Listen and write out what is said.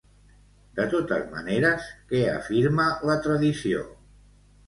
De totes maneres, què afirma la tradició?